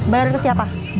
bayar ke siapa